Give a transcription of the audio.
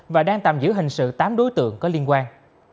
và đang tạm giữ hình sự tám đối tượng có liên quan